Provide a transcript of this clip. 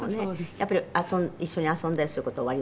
やっぱり一緒に遊んだりする事はおありなんですか？」